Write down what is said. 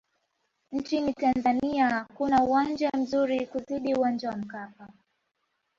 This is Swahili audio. nchini tanzania hakuna uwanja mzuri kuzidi uwanja wa mkapa